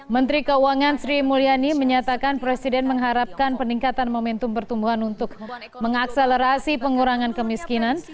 menteri keuangan sri mulyani menyatakan presiden mengharapkan peningkatan momentum pertumbuhan untuk mengakselerasi pengurangan kemiskinan